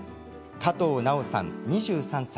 加藤奈緒さん、２３歳。